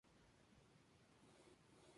Su presentador fue Iván Lalinde.